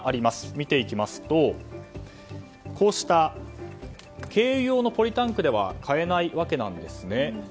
見ていきますとこうした軽油用のポリタンクでは買えないわけですね。